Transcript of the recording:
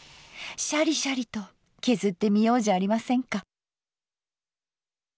シャリシャリと削ってみようじゃありませんか。